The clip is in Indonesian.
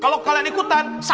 kenapa kalian ikut ikutan